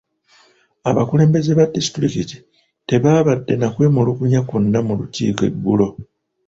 Abakulembeze ba diisitulikiti tebaabadde na kwemulugunya kwonna mu lukiiko eggulo .